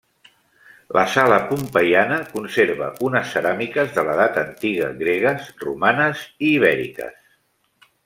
La sala pompeiana conserva unes ceràmiques de l'Edat Antiga gregues, romanes i ibèriques.